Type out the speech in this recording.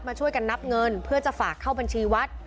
ช่วยกันนับเงินเพื่อจะฝากเข้าบัญชีวัด